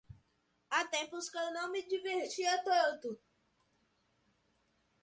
Há tempos que eu não me divertia tanto.